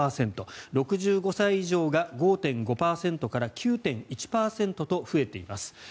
６５歳以上が５．５％から９．１％と増えています。